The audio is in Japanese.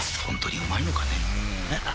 ホントにうまいのかね